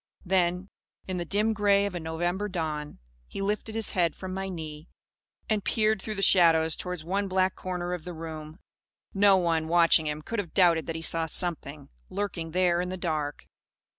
Then, in the dim grey of a November dawn, he lifted his head from my knee, and peered through the shadows towards one black corner of the room. No one, watching him, could have doubted that he saw Something lurking there in the dark.